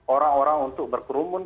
orang orang untuk berkurungun